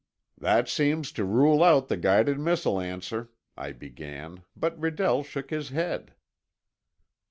"That seems to rule out the guided missile answer," I began. But Redell shook his head.